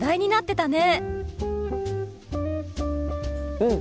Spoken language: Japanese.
うん！